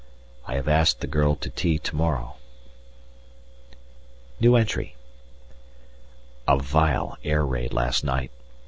I have asked the girl to tea to morrow. A vile air raid last night.